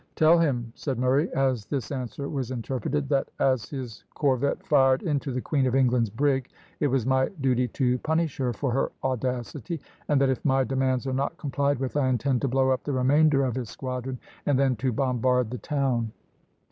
"Tell him," said Murray, as this answer was interpreted, "that as his corvette fired into the Queen of England's brig, it was my duty to punish her for her audacity, and that if my demands are not complied with, I intend to blow up the remainder of his squadron, and then to bombard the town."